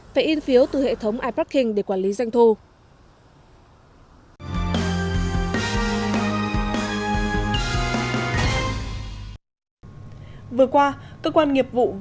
phải in phiếu từ hệ thống iparking để quản lý doanh thu